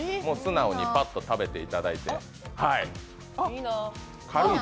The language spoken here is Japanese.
素直にパッと食べていただいて。